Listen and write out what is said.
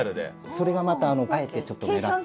それがまたあえてちょっとねらって。